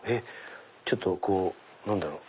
ちょっとこう何だろう？